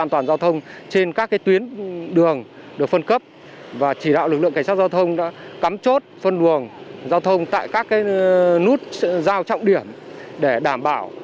trật tự an toàn giao thông trên địa bàn